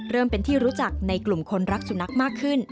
เป็นที่รู้จักในกลุ่มคนรักสุนัขมากขึ้น